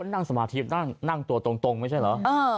นั่งสมาธินั่งตัวตรงไม่ใช่เหรอ